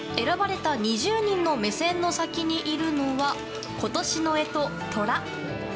選ばれた２０人の目線の先にいるのは今年の干支、とら。